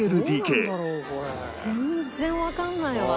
全然わかんないわ。